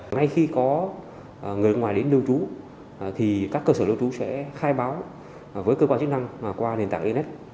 ngay khi có người nước ngoài đến lưu trú thì các cơ sở lưu trú sẽ khai báo với cơ quan chức năng và qua nền tảng internet